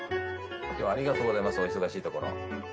今日はありがとうございますお忙しいところ。